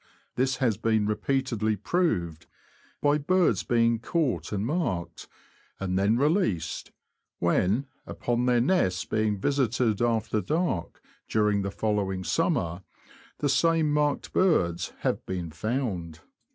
This has been repeatedly proved by birds being caught and marked, and then released, when, upon their nests being visited after dark during the following summer, the same marked birds have been found.